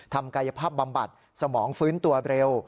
ทำกายภาพบำบัดสมองฟื้นตัวเร็ว